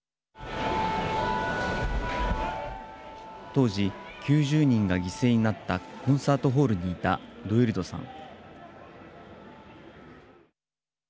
当時、９０人が犠牲になったコンサートホールにいたドウィルドさん。